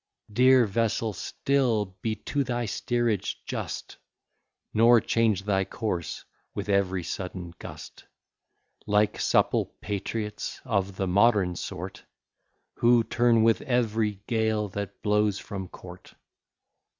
Dear vessel, still be to thy steerage just, Nor change thy course with every sudden gust; Like supple patriots of the modern sort, Who turn with every gale that blows from court.